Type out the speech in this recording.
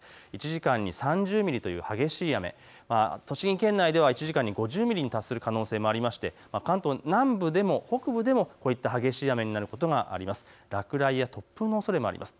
１時間に３０ミリという激しい雨、栃木県内では１時間に５０ミリに達する可能性もありまして、関東南部でも、北部でも激しい雨になることがあります。